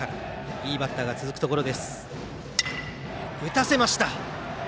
いいバッターが続くところ。